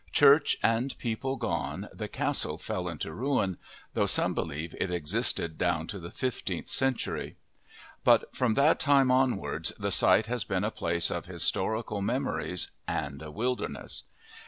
Church and people gone, the castle fell into ruin, though some believe it existed down to the fifteenth century; but from that time onwards the site has been a place of historical memories and a wilderness.